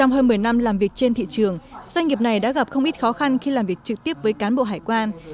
trong hơn một mươi năm làm việc trên thị trường doanh nghiệp này đã gặp không ít khó khăn khi làm việc trực tiếp với cán bộ hải quan